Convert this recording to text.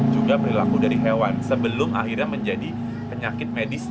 juga perilaku dari hewan sebelum akhirnya menjadi penyakit medis